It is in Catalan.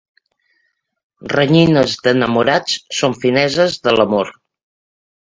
Renyines d'enamorats són fineses de l'amor.